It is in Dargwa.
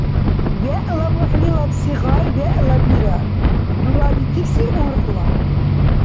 ВегӀла мухӀлилабси гъай вегӀла бирар, дурабикибси — урхӀла.